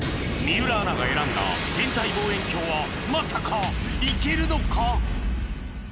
水卜アナが選んだ天体望遠鏡はまさか行けるのか？